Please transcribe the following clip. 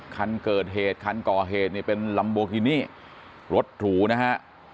คันเกิดเหตุคันก่อเหตุเนี่ยเป็นลัมโบกินี่รถหรูนะฮะ